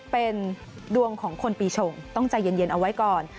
เป็นดวงของคนปีชงต้องใจเย็นเอาไว้ก่อน